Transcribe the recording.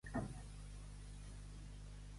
El que al cel no volen, a l'infern ho arrepleguen.